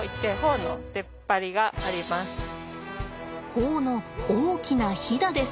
頬の大きなひだです。